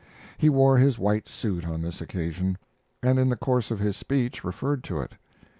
He wore his white suit on this occasion, and in the course of his speech referred to it.